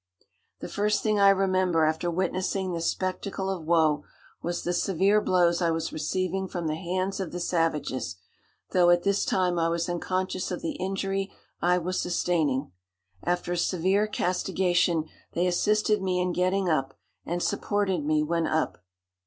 The first thing I remember after witnessing this spectacle of woe, was the severe blows I was receiving from the hands of the savages, though at this time I was unconscious of the injury I was sustaining. After a severe castigation, they assisted me in getting up, and supported me when up.